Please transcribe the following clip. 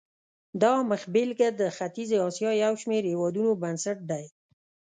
دا مخبېلګه د ختیځې اسیا یو شمېر هېوادونو بنسټ دی.